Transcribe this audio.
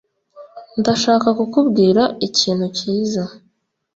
ndashaka kukubwira icyintu cyiza